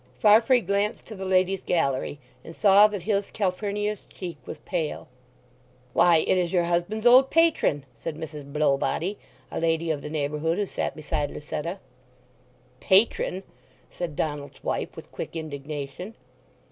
Farfrae glanced to the ladies' gallery, and saw that his Calphurnia's cheek was pale. "Why—it is your husband's old patron!" said Mrs. Blowbody, a lady of the neighbourhood who sat beside Lucetta. "Patron!" said Donald's wife with quick indignation.